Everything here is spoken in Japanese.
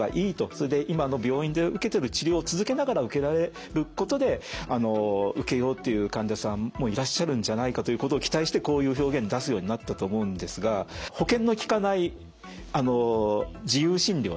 それで今の病院で受けてる治療を続けながら受けられることで受けようっていう患者さんもいらっしゃるんじゃないかということを期待してこういう表現出すようになったと思うんですが保険のきかない自由診療なんですね。